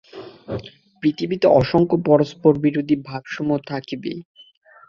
পৃথিবীতে অসংখ্য পরস্পরবিরোধী ভাবসমূহ থাকিবেই।